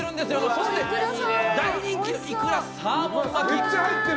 そして、大人気のいくらサーモン巻き。